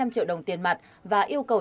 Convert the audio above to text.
hai trăm linh triệu đồng tiền mặt và yêu cầu